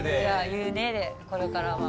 「ゆう姉」でこれからは。